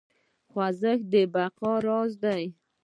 خوځښت د بقا راز دی.